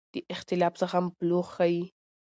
د اختلاف زغم بلوغ ښيي